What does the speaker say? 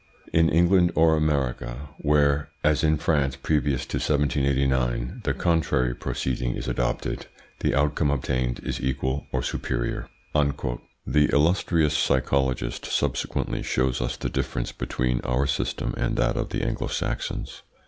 In England or America, where, as in France previous to 1789, the contrary proceeding is adopted, the outcome obtained is equal or superior." The illustrious psychologist subsequently shows us the difference between our system and that of the Anglo Saxons.